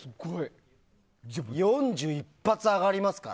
４１発上がりますから。